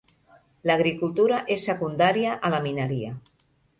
L'agricultura és secundària a la mineria.